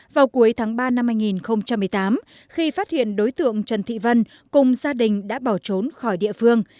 vào cuối tháng ba năm hai nghìn một mươi tám khi phát hiện đối tượng trần thị vân cùng gia đình đã bỏ trốn khỏi địa phương